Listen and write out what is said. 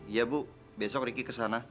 iya bu besok riki kesana